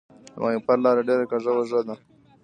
د ماهیپر لاره ډیره کږه وږه ده